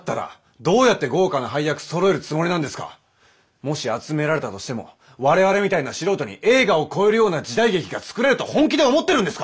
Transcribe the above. もし集められたとしても我々みたいな素人に映画を超えるような時代劇が作れると本気で思ってるんですか？